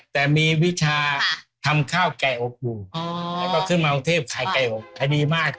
แต่มีวิชาทำข้าวไก่อบอุ่นแล้วก็ขึ้นมากรุงเทพขายไก่อบขายดีมาก